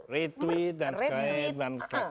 retweet dan kaya dan